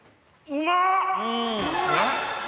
うまっ！